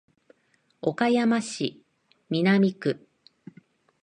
岡山市南区